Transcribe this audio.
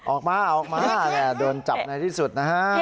ออกมาโดนจับในที่สุดนะครับ